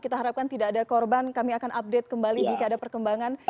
kita harapkan tidak ada korban kami akan update kembali jika ada perkembangan